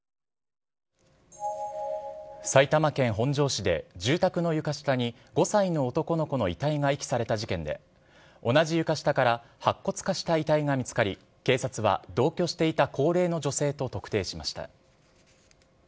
埼玉県本庄市で住宅の床下に５歳の男の子の遺体が遺棄された事件で、同じ床下から白骨化した遺体が見つかり、警察は同居していた高齢の女性と特定しました。